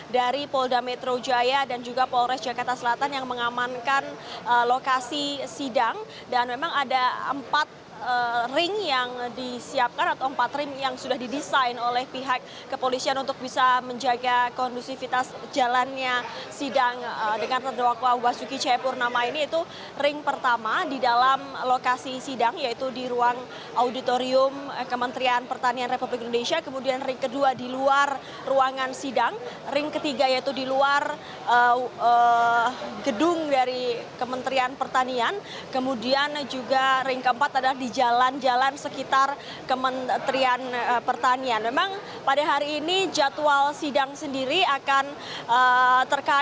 dari polda metro jaya dan juga polda jaya